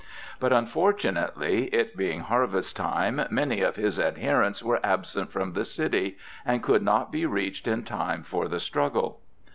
But unfortunately, it being harvest time, many of his adherents were absent from the city, and could not be reached in time for the struggle.